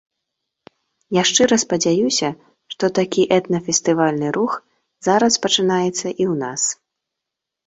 Я шчыра спадзяюся, што такі этна-фестывальны рух зараз пачынаецца і ў нас.